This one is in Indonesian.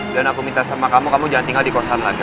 dan aku minta sama kamu kamu jangan tinggal di kosan lagi